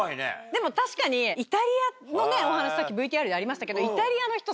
でも確かにイタリアのお話さっきＶＴＲでありましたけど。